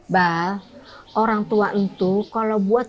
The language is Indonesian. bah orang tua untuk kalau buat